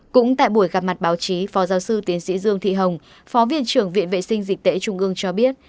cũng tại buổi gặp mặt báo chí phó giáo sư tiến sĩ dương thị hồng phó viện trưởng viện vệ sinh dịch tễ trung ương cho biết